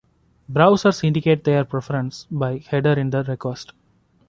Browsers indicate their preferences by headers in the request.